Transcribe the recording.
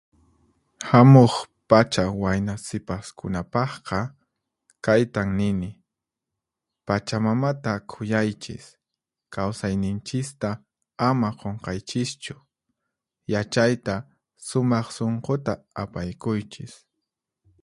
Hamuq pacha wayna sipaskunapaqqa kaytan nini: Pachamamata khuyaychis, kawsayninchista ama qunqaychischu. Yachayta, sumaq sunquta apaykuychis.